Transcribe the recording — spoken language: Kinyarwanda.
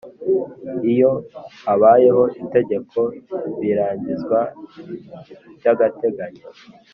Iyo habayeho itegeko birangizwa by’agateganyo